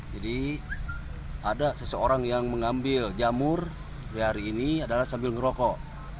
jadi ada seseorang yang mengambil jamur di hari ini adalah sambil ngerokok